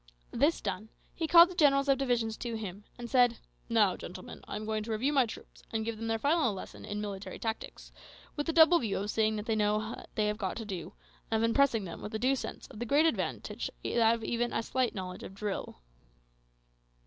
This done, he called the generals of divisions to him, and said "Now, gentlemen, I am going to review my troops, and to give them their final lesson in military tactics, with the double view of seeing that they know what they have got to do, and of impressing them with a due sense of the great advantage of even a slight knowledge of drill."